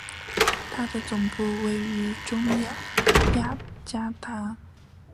它的总部位于中亚雅加达。